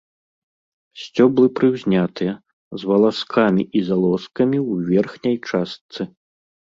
Сцёблы прыўзнятыя, з валаскамі і залозкамі ў верхняй частцы.